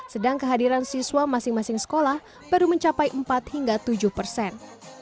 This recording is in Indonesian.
sedang kehadiran siswa masing masing sekolah baru mencapai empat hingga tujuh persen